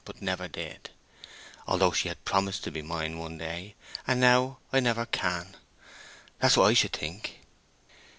But I never did, although she had promised to be mine some day; and now I never can.' That's what I should think."